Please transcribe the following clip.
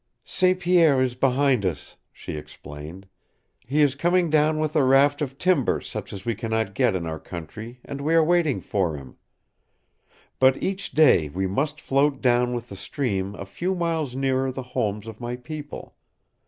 "St. Pierre is behind us," she explained. "He is coming down with a raft of timber such as we can not get in our country, and we are waiting for him. But each day we must float down with the stream a few miles nearer the homes of my people.